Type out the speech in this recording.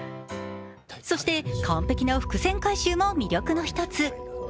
そして完璧な伏線回収も見どころの一つ。